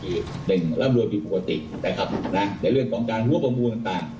ที่เป็นร่ำรวยผิดปกตินะครับนะในเรื่องของการหัวประมูลต่างต่าง